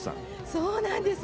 そうなんです。